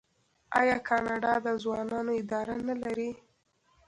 آیا کاناډا د ځوانانو اداره نلري؟